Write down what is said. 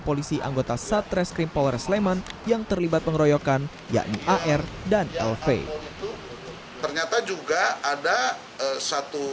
polisi anggota satreskrim polres leman yang terlibat pengeroyokan yakni ar dan lv ternyata juga ada satu